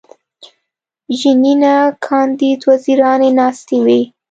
ژینینه کاندید وزیرانې ناستې وې.